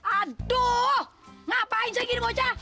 aduh ngapain sih gini mocha